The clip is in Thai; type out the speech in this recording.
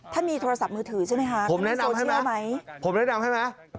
ถ้ามีโทรศัพท์มือถือใช่ไหมคะถ้ามีโซเชียลไหมผมแนะนำให้ไหม